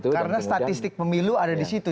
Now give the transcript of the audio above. karena statistik pemilu ada di situ